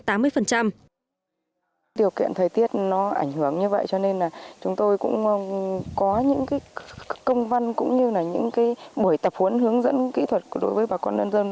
điều kiện thời tiết nó ảnh hưởng như vậy cho nên là chúng tôi cũng có những công văn cũng như là những buổi tập huấn hướng dẫn kỹ thuật đối với bà con nhân dân